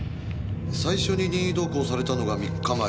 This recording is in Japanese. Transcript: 最初に任意同行されたのが３日前。